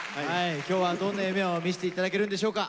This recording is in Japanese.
今日はどんな夢を見せて頂けるんでしょうか。